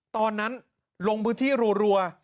ตอนนั้นลงพื้นที่รัว